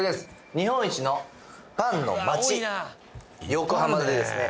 日本一のパンの街・横浜でですね